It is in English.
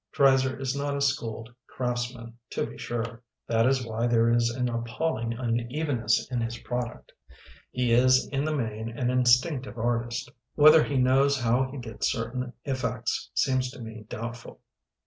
Dreiser is not a schooled craftsman, to be sure. That is why there is an appalling unevenness in his product. He is in the main an instinctive artist. Whether he knows how he gets certain effects, seems to me doubtful.